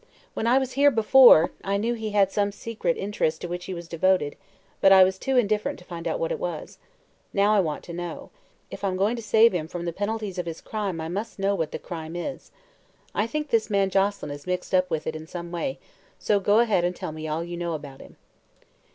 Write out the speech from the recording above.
When I was here before, I knew he had some secret interest to which he was devoted, but I was too indifferent to find out what it was. Now I want to know. If I'm going to save him from the penalties of his crime I must know what the crime is. I think this man Joselyn is mixed up with it in some way, so go ahead and tell me all you know about him."